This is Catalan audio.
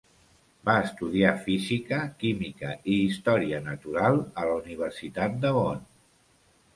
Va estudiar física, química i història natural a la Universitat de Bonn.